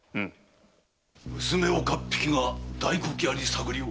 娘岡っ引きが大黒屋に探りを？